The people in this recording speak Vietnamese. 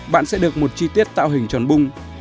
bạn sẽ được một chi tiết tạo hình tròn bung